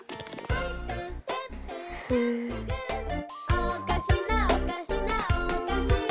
「おかしなおかしなおかし」